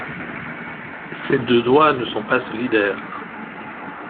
Ses deux doigts ne sont pas solidaires.